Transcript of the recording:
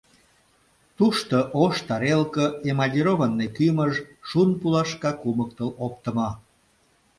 Тушто ош тарелке, эмалированный кӱмыж, шун пулашка кумыктыл оптымо.